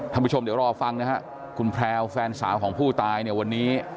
ผู้ชมเดี๋ยวรอฟังนะฮะคุณแพรวแฟนสาวของผู้ตายเนี่ยวันนี้